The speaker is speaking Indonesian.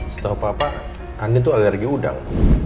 setau papa andien tuh alergi udang